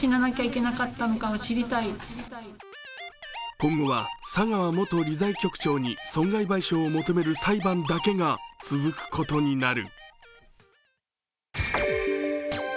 今後は佐川元理財局長に損害賠償を求める裁判だけが続くことになる。